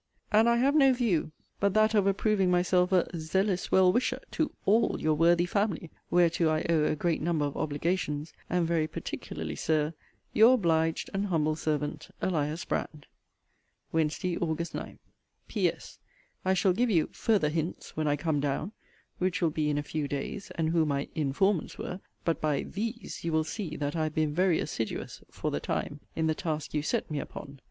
And I have no view but that of approving myself a 'zealous well wisher' to 'all' your worthy family, (whereto I owe a great number of obligations,) and very particularly, Sir, Your obliged and humble servant, ELIAS BRAND. WEDN. AUG. 9. P.S. I shall give you 'farther hints' when I come down, (which will be in a few days;) and who my 'informants' were; but by 'these' you will see, that I have been very assiduous (for the time) in the task you set me upon.